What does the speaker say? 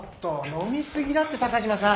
飲み過ぎだって高島さん。